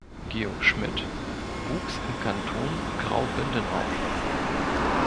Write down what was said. Georg Schmid wuchs im Kanton Graubünden auf.